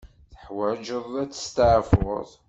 Teḥwaǧeḍ ad testeɛfuḍ.